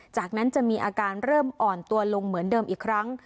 จากนั้นจะมีอาการเริ่มอ่อนตัวลงเหมือนเดิมอีกครั้ง